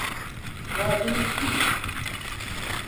خواردنی چی؟